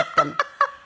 ハハハハ。